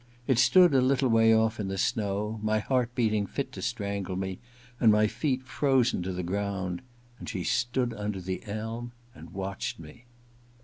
I stood a little way off in the snow, my heart beating fit to strangle me, and my feet frozen to the ground ; and she stood under t6e elm and watched me.